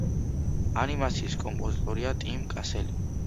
ანიმაციის კომპოზიტორია ტიმ კასელი.